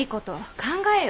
考えよ。